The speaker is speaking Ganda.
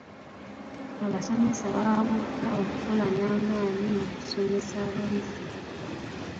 Abasomesa bawabuddwa okukola n'amaanyi mu kusomesa abayizi.